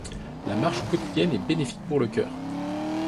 La marche quotidienne est bénéfique pour le cœur.